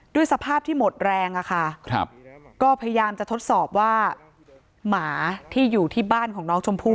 สภาพที่หมดแรงอะค่ะก็พยายามจะทดสอบว่าหมาที่อยู่ที่บ้านของน้องชมพู่